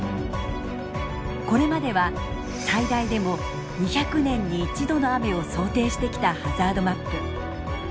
これまでは最大でも２００年に１度の雨を想定してきたハザードマップ。